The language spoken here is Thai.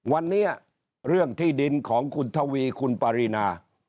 วันนี้เรื่องที่ดินของคุณทวีคุณปารีนา